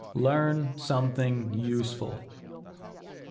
LEARN SOMETHING USEFUL.